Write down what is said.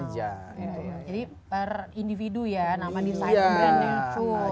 jadi per individu ya nama desainer brandnya itu